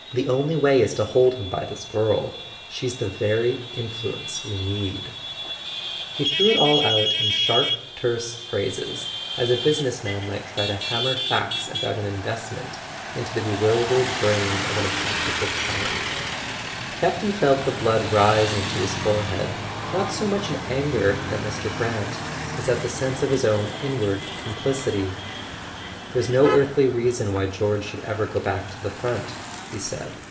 The only way is to hold him by this girl. She's the very influ¬ ence we need! " He threw it all out in sharp terse phrases, as a busi¬ ness man might try to hammer facts about an invest¬ ment into the bewildered brain of an unpractical client. Campton felt the blood rising to his forehead, not so [ 351 ] A SON AT THE FRONT much in anger at Mr. Brant as at the sense of his own inward complicity. "There's no earthly reason why George should ever go back to the front," he said.